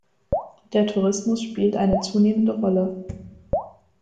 Der Tourismus spielt eine zunehmende Rolle.